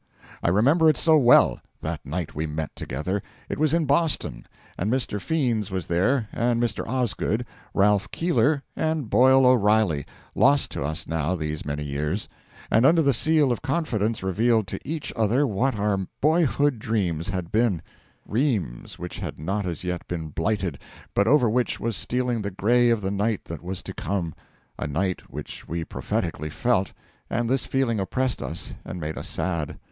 I remember it so well that night we met together it was in Boston, and Mr. Fiends was there, and Mr. Osgood, Ralph Keeler, and Boyle O'Reilly, lost to us now these many years and under the seal of confidence revealed to each other what our boyhood dreams had been: dreams which had not as yet been blighted, but over which was stealing the grey of the night that was to come a night which we prophetically felt, and this feeling oppressed us and made us sad.